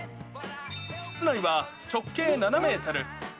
室内は直径７メートル。